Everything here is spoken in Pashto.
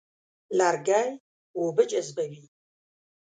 لرګی اوبه جذبوي.